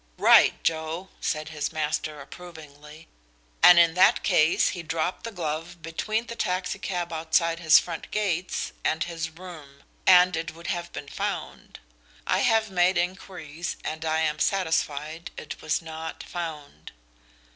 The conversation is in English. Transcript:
"Right, Joe," said his master approvingly. "And in that case he dropped the glove between the taxi cab outside his front gates and his room, and it would have been found. I have made inquiries and I am satisfied it was not found."